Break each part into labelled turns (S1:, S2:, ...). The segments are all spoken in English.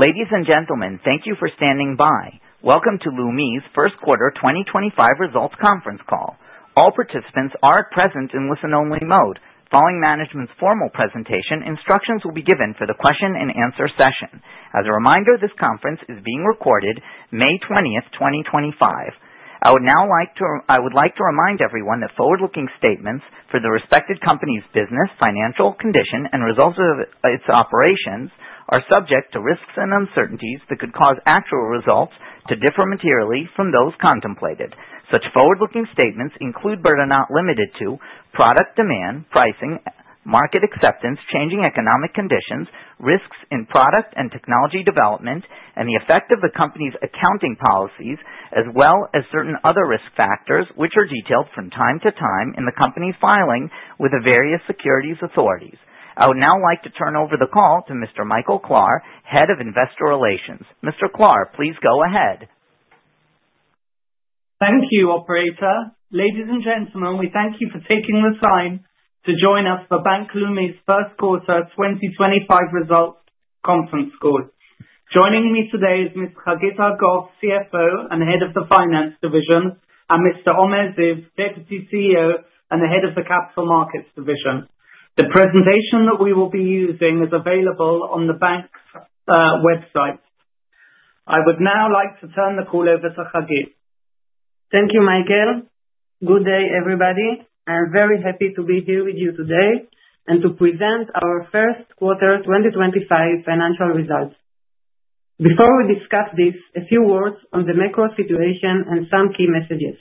S1: Ladies and gentlemen, thank you for standing by. Welcome to Leumi's first quarter 2025 results conference call. All participants are present in listen-only mode. Following management's formal presentation, instructions will be given for the question-and-answer session. As a reminder, this conference is being recorded May 20th, 2025. I would now like to remind everyone that forward-looking statements for the respective company's business, financial condition, and results of its operations are subject to risks and uncertainties that could cause actual results to differ materially from those contemplated. Such forward-looking statements include but are not limited to product demand, pricing, market acceptance, changing economic conditions, risks in product and technology development, and the effect of the company's accounting policies, as well as certain other risk factors which are detailed from time to time in the company's filings with the various securities authorities. I would now like to turn over the call to Mr. Michael Klahr, Head of Investor Relations. Mr. Klahr, please go ahead.
S2: Thank you, Operator. Ladies and gentlemen, we thank you for taking the time to join us for Bank Leumi's first quarter 2025 results conference call. Joining me today is Ms. Hagit Argov, CFO and Head of the Finance Division, and Mr. Omer Ziv, Deputy CEO and the Head of the Capital Markets Division. The presentation that we will be using is available on the bank's website. I would now like to turn the call over to Hagit.
S3: Thank you, Michael. Good day, everybody. I'm very happy to be here with you today and to present our first quarter 2025 financial results. Before we discuss this, a few words on the macro situation and some key messages.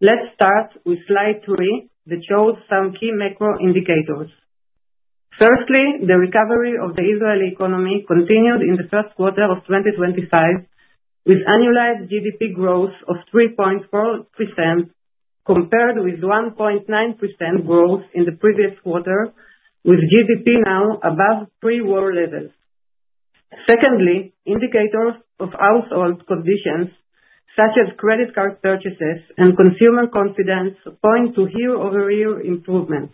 S3: Let's start with Slide 3 that shows some key macro indicators. Firstly, the recovery of the Israeli economy continued in the first quarter of 2025, with annualized GDP growth of 3.4% compared with 1.9% growth in the previous quarter, with GDP now above pre-war levels. Secondly, indicators of household conditions, such as credit card purchases and consumer confidence, point to year-over-year improvement.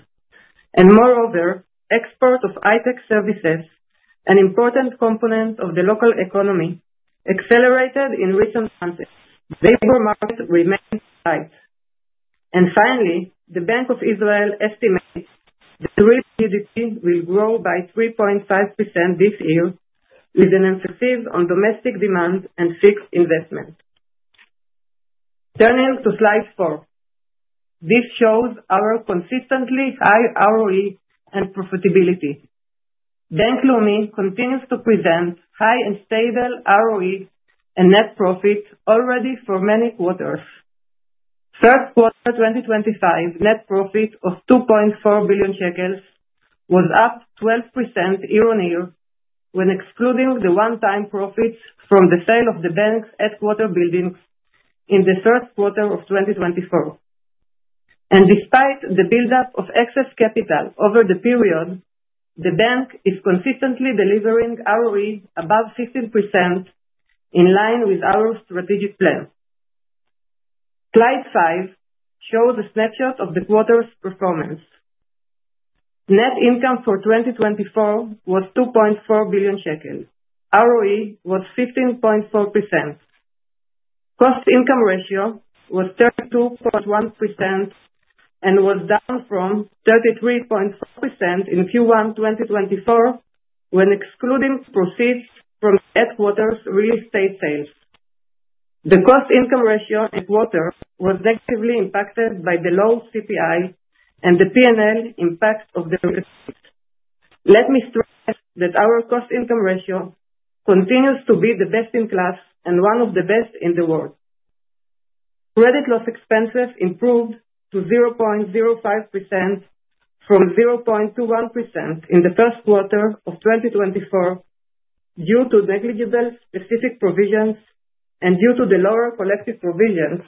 S3: Moreover, export of high-tech services, an important component of the local economy, accelerated in recent months. Labor market remains tight. Finally, the Bank of Israel estimates that real GDP will grow by 3.5% this year, with an emphasis on domestic demand and fixed investment. Turning to Slide 4, this shows our consistently high ROE and profitability. Bank Leumi continues to present high and stable ROE and net profit already for many quarters. Third quarter 2025, net profit of 2.4 billion shekels was up 12% year-on-year when excluding the one-time profits from the sale of the bank's headquarter buildings in the third quarter of 2024. Despite the build-up of excess capital over the period, the bank is consistently delivering ROE above 15% in line with our strategic plan. Slide 5 shows a snapshot of the quarter's performance. Net income for 2024 was 2.4 billion shekels. ROE was 15.4%. Cost-to-income ratio was 32.1% and was down from 33.4% in Q1 2024 when excluding proceeds from headquarters real estate sales. The cost-to-income ratio in the quarter was negatively impacted by the low CPI and the P&L impact of the risk. Let me stress that our cost-to-income ratio continues to be the best in class and one of the best in the world. Credit loss expenses improved to 0.05% from 0.21% in the first quarter of 2024 due to negligible specific provisions and due to the lower collective provisions,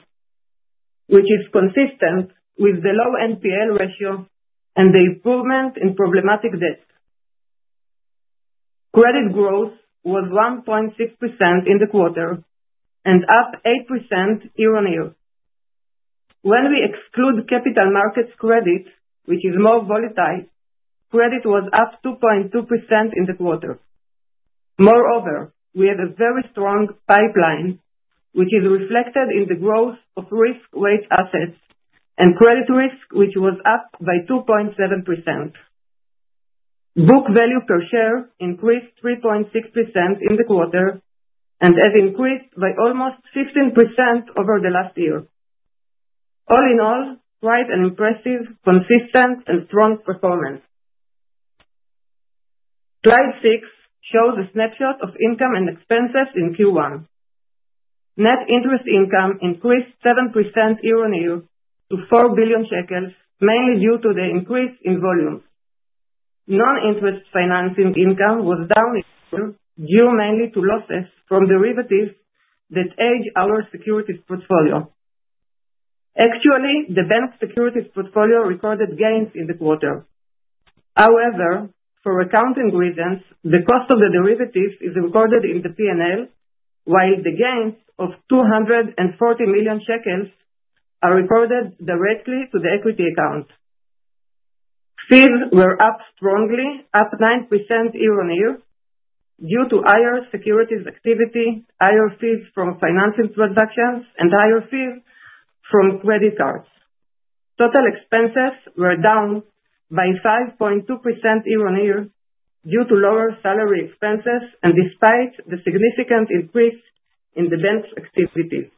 S3: which is consistent with the low NPL ratio and the improvement in problematic debt. Credit growth was 1.6% in the quarter and up 8% year-on-year. When we exclude capital markets credit, which is more volatile, credit was up 2.2% in the quarter. Moreover, we have a very strong pipeline, which is reflected in the growth of risk-weighted assets and credit risk, which was up by 2.7%. Book value per share increased 3.6% in the quarter and has increased by almost 15% over the last year. All in all, quite an impressive, consistent, and strong performance. Slide 6 shows a snapshot of income and expenses in Q1. Net interest income increased 7% year-on-year to 4 billion shekels, mainly due to the increase in volumes. Non-interest financing income was down in Q2 due mainly to losses from derivatives that hedge our securities portfolio. Actually, the bank's securities portfolio recorded gains in the quarter. However, for accounting reasons, the cost of the derivatives is recorded in the P&L, while the gains of 240 million shekels are recorded directly to the equity account. Fees were up strongly, up 9% year-on-year due to higher securities activity, higher fees from financing transactions, and higher fees from credit cards. Total expenses were down by 5.2% year-on-year due to lower salary expenses and despite the significant increase in the bank's activity.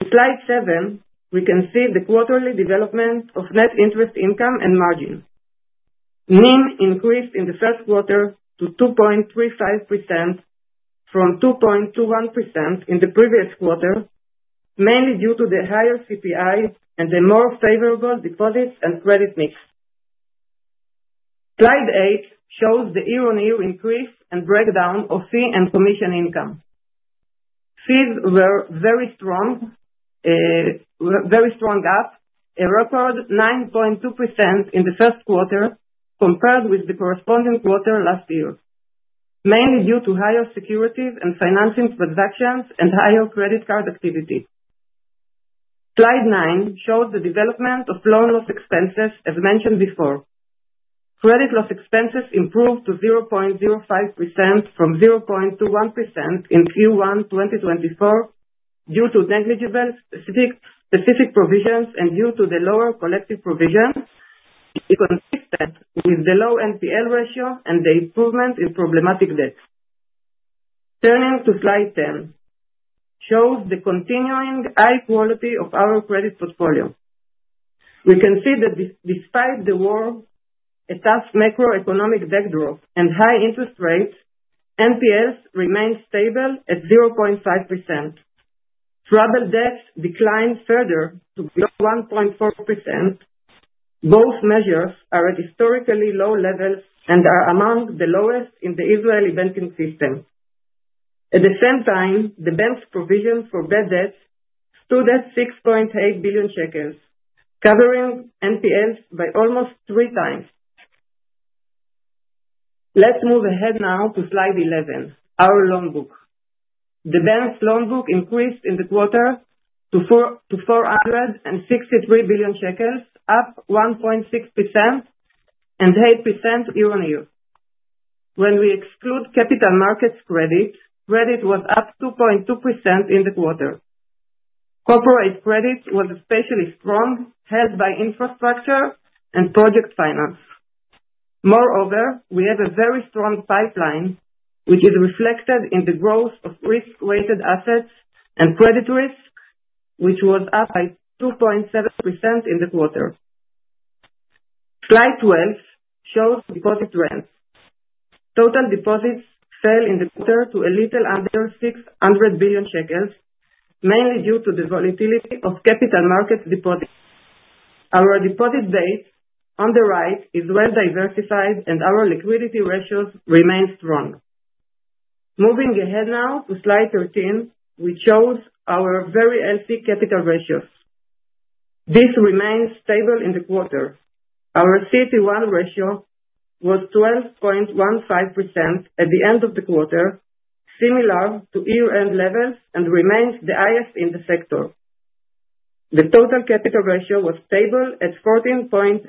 S3: In Slide 7, we can see the quarterly development of net interest income and margin. NEIM increased in the first quarter to 2.35% from 2.21% in the previous quarter, mainly due to the higher CPI and the more favorable deposits and credit mix. Slide 8 shows the year-on-year increase and breakdown of fee and commission income. Fees were very strong, very strong up, a record 9.2% in the first quarter compared with the corresponding quarter last year, mainly due to higher securities and financing transactions and higher credit card activity. Slide 9 shows the development of credit loss expenses, as mentioned before. Credit loss expenses improved to 0.05% from 0.21% in Q1 2024 due to negligible specific provisions and due to the lower collective provision, consistent with the low NPL ratio and the improvement in problematic debt. Turning to Slide 10, shows the continuing high quality of our credit portfolio. We can see that despite the war, a tough macroeconomic backdrop, and high interest rates, NPLs remained stable at 0.5%. Troubled debts declined further to 1.4%. Both measures are at historically low levels and are among the lowest in the Israeli banking system. At the same time, the bank's provision for bad debts stood at 6.8 billion shekels, covering NPLs by almost three times. Let's move ahead now to Slide 11, our loan book. The bank's loan book increased in the quarter to 463 billion shekels, up 1.6% and 8% year-on-year. When we exclude capital markets credit, credit was up 2.2% in the quarter. Corporate credit was especially strong, held by infrastructure and project finance. Moreover, we have a very strong pipeline, which is reflected in the growth of risk-weighted assets and credit risk, which was up by 2.7% in the quarter. Slide 12 shows deposit trends. Total deposits fell in the quarter to a little under 600 billion shekels, mainly due to the volatility of capital markets deposits. Our deposit base on the right is well diversified, and our liquidity ratios remain strong. Moving ahead now to Slide 13, we chose our very healthy capital ratios. This remained stable in the quarter. Our CET1 ratio was 12.15% at the end of the quarter, similar to year-end levels and remains the highest in the sector. The total capital ratio was stable at 14.83%.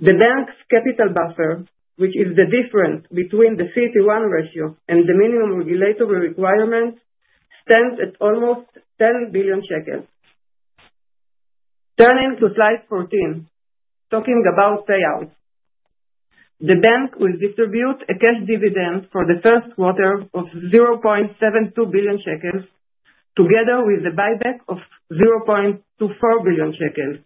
S3: The bank's capital buffer, which is the difference between the CET1 ratio and the minimum regulatory requirement, stands at almost 10 billion shekels. Turning to Slide 14, talking about payouts. The bank will distribute a cash dividend for the first quarter of 0.72 billion shekels, together with a buyback of 0.24 billion shekels,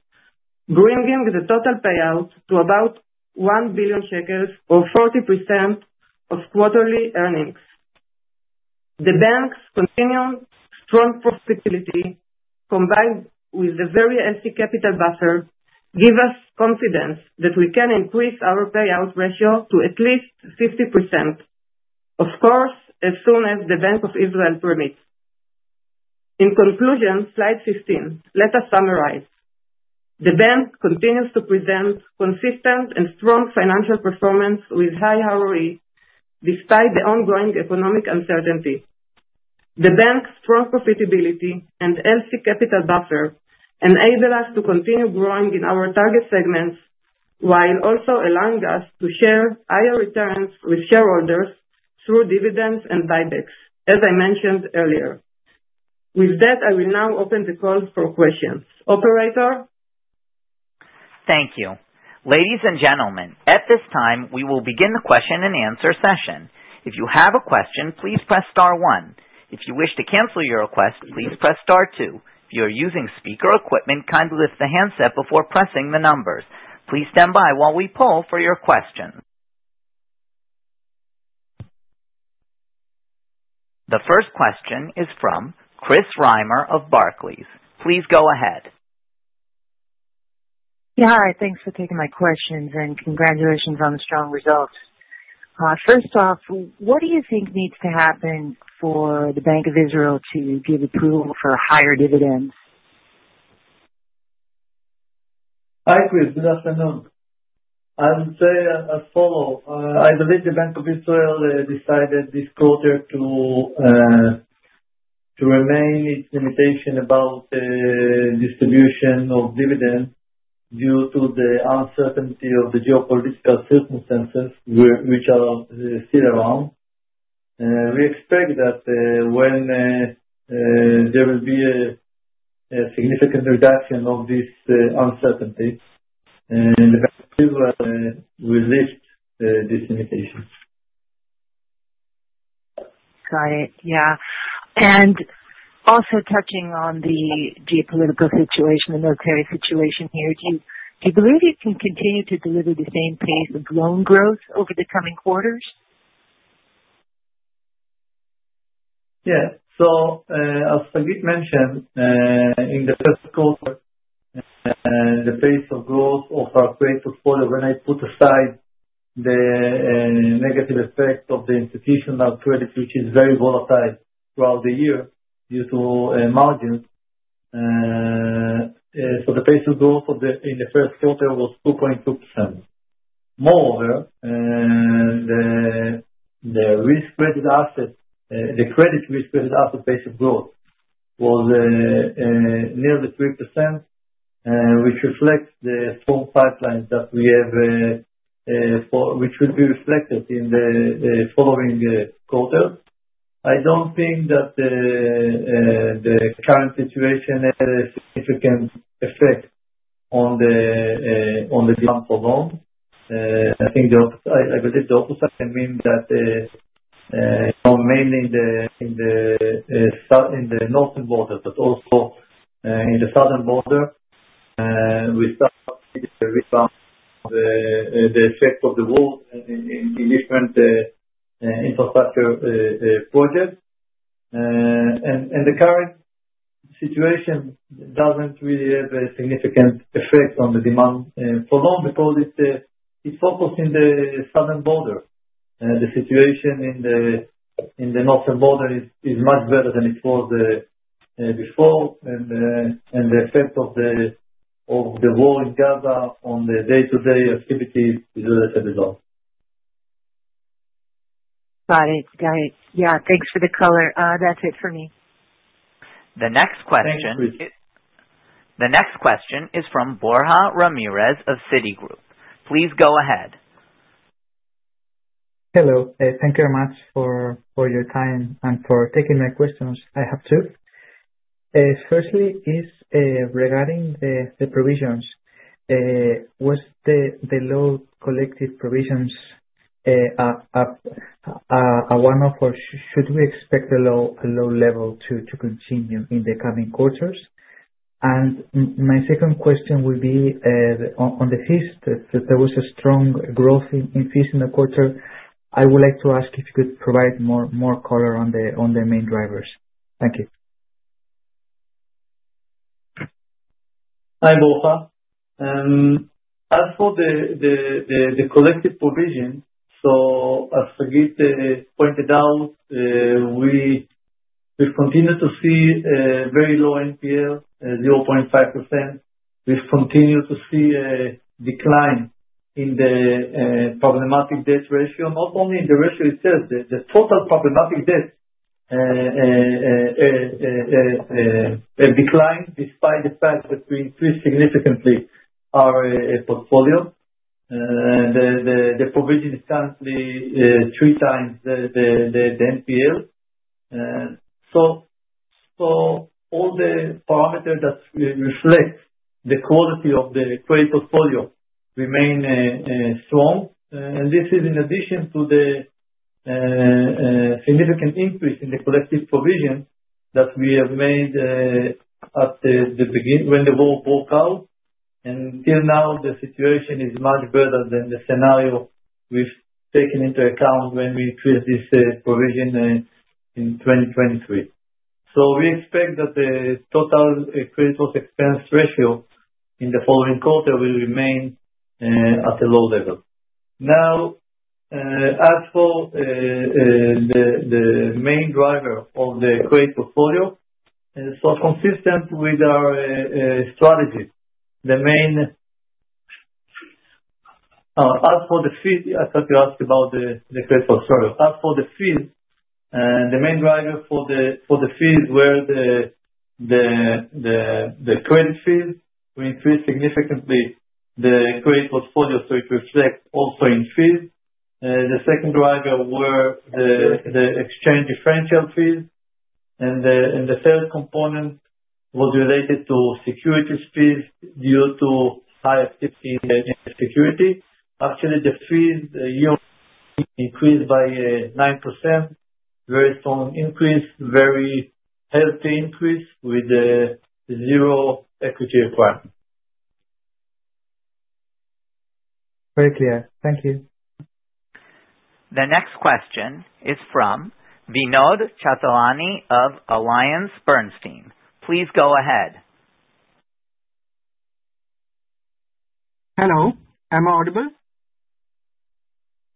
S3: bringing the total payout to about 1 billion shekels, or 40% of quarterly earnings. The bank's continued strong profitability, combined with the very healthy capital buffer, gives us confidence that we can increase our payout ratio to at least 50%, of course, as soon as the Bank of Israel permits. In conclusion, Slide 15, let us summarize. The bank continues to present consistent and strong financial performance with high ROE despite the ongoing economic uncertainty. The bank's strong profitability and healthy capital buffer enable us to continue growing in our target segments while also allowing us to share higher returns with shareholders through dividends and buybacks, as I mentioned earlier. With that, I will now open the call for questions. Operator.
S1: Thank you. Ladies and gentlemen, at this time, we will begin the question and answer session. If you have a question, please press star one. If you wish to cancel your request, please press star two. If you are using speaker equipment, kindly lift the handset before pressing the numbers. Please stand by while we poll for your question. The first question is from Chris Reimer of Barclays. Please go ahead.
S4: Hi, thanks for taking my questions and congratulations on the strong results. First off, what do you think needs to happen for the Bank of Israel to give approval for higher dividends?
S5: Hi, Chris. Good afternoon. I would say as follows. I believe the Bank of Israel decided this quarter to remain its limitation about distribution of dividends due to the uncertainty of the geopolitical circumstances, which are still around. We expect that when there will be a significant reduction of this uncertainty, the Bank of Israel will lift this limitation.
S4: Got it. Yeah. Also touching on the geopolitical situation, the military situation here, do you believe you can continue to deliver the same pace of loan growth over the coming quarters?
S5: Yes. As Hagit mentioned, in the first quarter, the pace of growth of our credit portfolio, when I put aside the negative effect of the institutional credit, which is very volatile throughout the year due to margins, the pace of growth in the first quarter was 2.2%. Moreover, the risk-weighted asset, the credit risk-weighted asset pace of growth was nearly 3%, which reflects the strong pipelines that we have, which will be reflected in the following quarter. I do not think that the current situation has a significant effect on the demand for loans. I believe the opposite can mean that mainly in the northern border, but also in the southern border, we start to see the effect of the war in different infrastructure projects. The current situation does not really have a significant effect on the demand for loans because it is focused in the southern border. The situation in the northern border is much better than it was before, and the effect of the war in Gaza on the day-to-day activity is less than resolved.
S4: Got it. Got it. Yeah. Thanks for the color. That's it for me.
S1: The next question.
S5: Thank you.
S1: The next question is from Borja Ramirez of Citigroup. Please go ahead.
S6: Hello. Thank you very much for your time and for taking my questions. I have two. Firstly is regarding the provisions. Was the low collective provisions a one-off, or should we expect a low level to continue in the coming quarters? My second question will be on the fees, that there was a strong growth in fees in the quarter. I would like to ask if you could provide more color on the main drivers. Thank you.
S5: Hi, Borja. As for the collective provision, as Hagit pointed out, we continue to see very low NPL, 0.5%. We have continued to see a decline in the problematic debt ratio, not only in the ratio itself, the total problematic debt declined despite the fact that we increased significantly our portfolio. The provision is currently three times the NPL. All the parameters that reflect the quality of the credit portfolio remain strong. This is in addition to the significant increase in the collective provision that we have made at the beginning when the war broke out. Till now, the situation is much better than the scenario we have taken into account when we created this provision in 2023. We expect that the total credit loss expense ratio in the following quarter will remain at a low level. Now, as for the main driver of the credit portfolio, it's so consistent with our strategy. The main, as for the fees, I thought you asked about the credit portfolio. As for the fees, the main driver for the fees were the credit fees. We increased significantly the credit portfolio, so it reflects also in fees. The second driver were the exchange differential fees. The third component was related to securities fees due to high activity in security. Actually, the fees increased by 9%, very strong increase, very healthy increase with zero equity requirement.
S6: Very clear. Thank you.
S1: The next question is from Vinod Chathlani of AllianceBernstein. Please go ahead.
S7: Hello. Am I audible?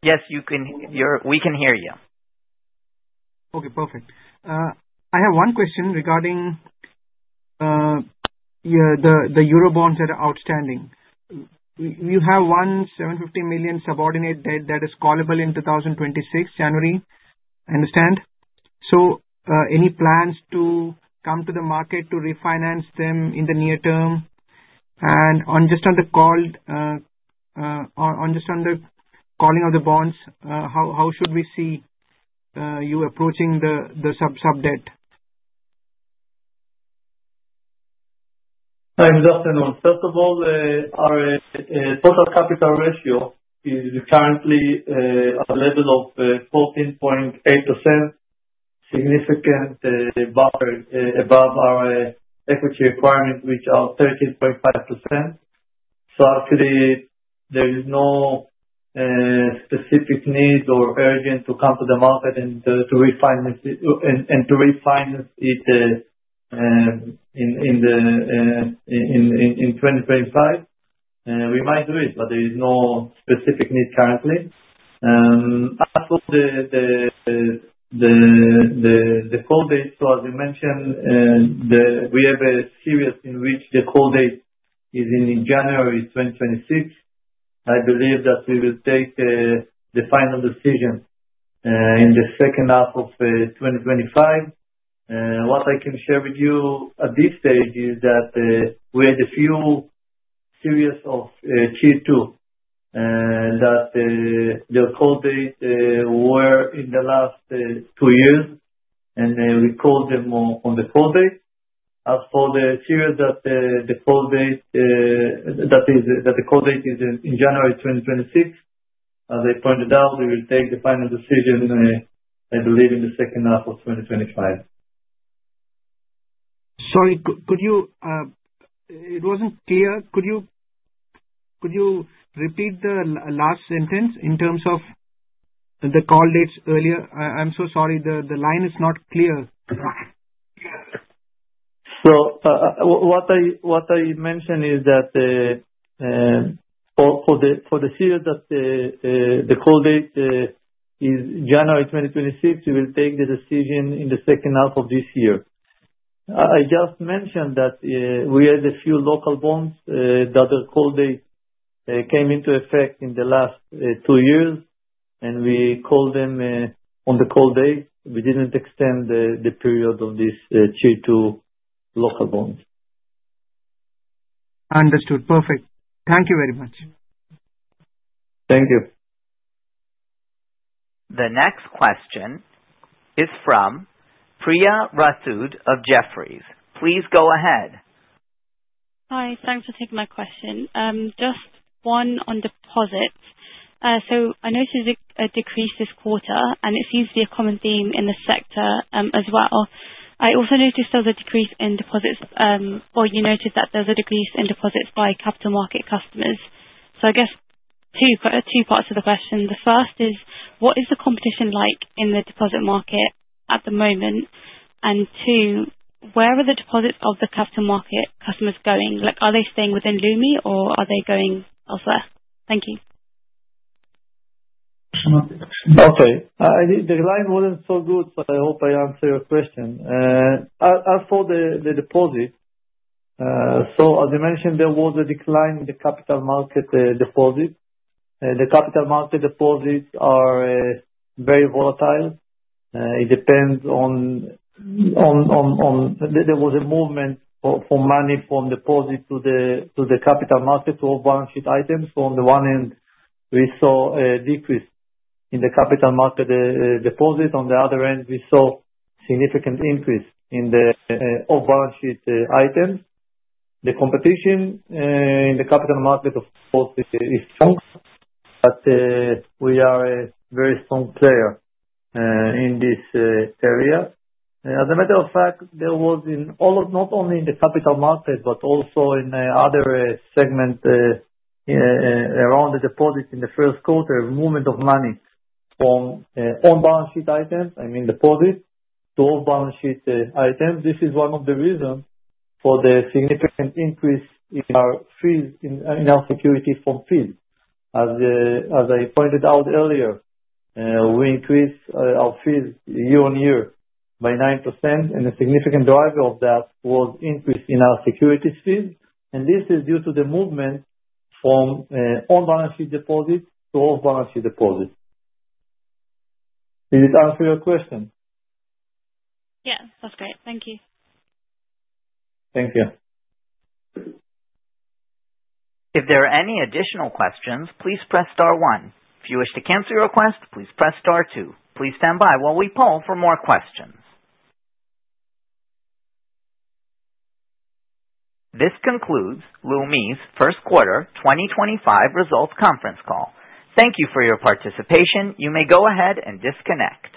S1: Yes, we can hear you.
S7: Okay. Perfect. I have one question regarding the Eurobonds that are outstanding. You have one 750 million subordinated debt that is callable in 2026, January. I understand. Any plans to come to the market to refinance them in the near term? Just on the calling of the bonds, how should we see you approaching the sub-debt?
S5: Hi, good afternoon. First of all, our total capital ratio is currently at a level of 14.8%, significantly above our equity requirements, which are 13.5%. Actually, there is no specific need or urgency to come to the market and to refinance it in 2025. We might do it, but there is no specific need currently. As for the call date, as you mentioned, we have a series in which the call date is in January 2026. I believe that we will take the final decision in the second half of 2025. What I can share with you at this stage is that we had a few series of Tier 2 that their call date were in the last two years, and we called them on the call date. As for the series that the call date is in January 2026, as I pointed out, we will take the final decision, I believe, in the second half of 2025.
S7: Sorry, it wasn't clear. Could you repeat the last sentence in terms of the call dates earlier? I'm so sorry. The line is not clear.
S5: What I mentioned is that for the series that the call date is January 2026, we will take the decision in the second half of this year. I just mentioned that we had a few local bonds that their call date came into effect in the last two years, and we called them on the call date. We did not extend the period of these Tier 2 local bonds.
S7: Understood. Perfect. Thank you very much.
S5: Thank you.
S1: The next question is from Priya Rasud of Jefferies. Please go ahead.
S8: Hi. Thanks for taking my question. Just one on deposits. I noticed a decrease this quarter, and it seems to be a common theme in the sector as well. I also noticed there was a decrease in deposits, or you noted that there was a decrease in deposits by capital market customers. I guess two parts of the question. The first is, what is the competition like in the deposit market at the moment? Two, where are the deposits of the capital market customers going? Are they staying within Leumi or are they going elsewhere? Thank you.
S5: Okay. The line was not so good, so I hope I answered your question. As for the deposits, as you mentioned, there was a decline in the capital market deposits. The capital market deposits are very volatile. It depends on there was a movement for money from deposits to the capital market to off-balance sheet items. On the one end, we saw a decrease in the capital market deposits. On the other end, we saw a significant increase in the off-balance sheet items. The competition in the capital market, of course, is strong, but we are a very strong player in this area. As a matter of fact, there was not only in the capital market, but also in other segments around the deposits in the first quarter, movement of money from on-balance sheet items, I mean deposits, to off-balance sheet items. This is one of the reasons for the significant increase in our securities fees. As I pointed out earlier, we increased our fees year on year by 9%, and a significant driver of that was increase in our securities fees. This is due to the movement from on-balance sheet deposits to off-balance sheet deposits. Did it answer your question?
S8: Yeah. That's great. Thank you.
S5: Thank you.
S1: If there are any additional questions, please press star one. If you wish to cancel your request, please press star two. Please stand by while we poll for more questions. This concludes Leumi's first quarter 2025 results conference call. Thank you for your participation. You may go ahead and disconnect.